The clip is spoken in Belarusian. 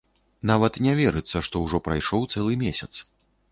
Нават не верыцца, што ўжо прайшоў цэлы месяц!